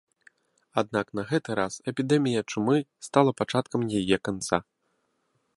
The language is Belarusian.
Аднак на гэты раз эпідэмія чумы стала пачаткам яе канца.